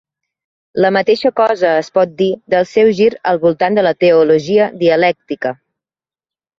La mateixa cosa es pot dir del seu gir al voltant de la teologia dialèctica.